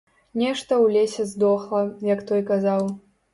Нешта ў лесе здохла, як той казаў.